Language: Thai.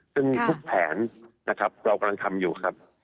ซึ่งทุกแผนนะครับเรากำลังทำอยู่ครับ